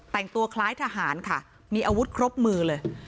แต่งตัวคล้ายทหารค่ะมีอาวุธครบมือเลย